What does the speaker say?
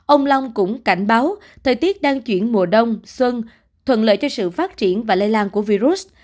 ông long cũng cảnh báo thời tiết đang chuyển mùa đông xuân thuận lợi cho sự phát triển và lây lan của virus